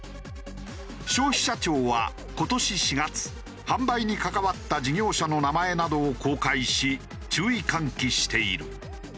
消費者庁は今年４月販売に関わった事業者の名前などを公開し注意喚起している。